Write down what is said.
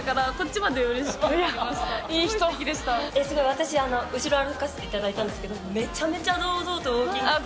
私あの後ろ歩かせて頂いたんですけどめちゃめちゃ堂々とウォーキング。